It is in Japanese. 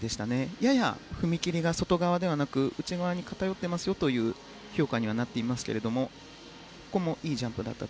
やや踏み切りが外側ではなく内側に偏っているという評価にはなっていますがいいジャンプでした。